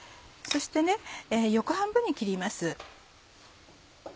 そして横半分に切ります。